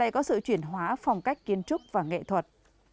có sự chuyển hóa phong cách kiến trúc và nghệ thuật